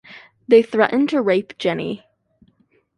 They threaten to rape Jenny.